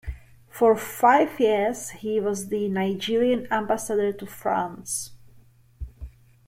For five years he was the Nigerian Ambassador to France.